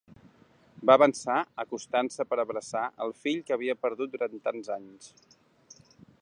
Va avançar acostant-se per abraçar al fill que havia perdut durant tants anys.